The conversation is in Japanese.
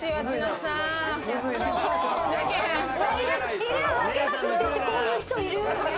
いる、分けますって言ってこういう人いる。